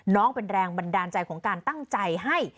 แรงเป็นแรงบันดาลใจของการตั้งใจให้